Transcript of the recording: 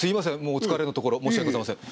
お疲れのところ申し訳ございません。